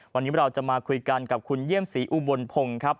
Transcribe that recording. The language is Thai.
วันนี้เราจะมาคุยกันกับคุณเยี่ยมศรีอุบลพงศ์ครับ